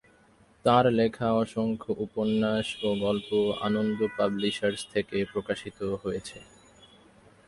তাঁর লেখা অসংখ্য উপন্যাস ও গল্প আনন্দ পাবলিশার্স থেকে প্রকাশিত হয়েছে।